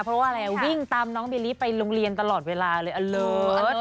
เพราะว่าอะไรวิ่งตามน้องเบลลี่ไปโรงเรียนตลอดเวลาเลยอะเลิศ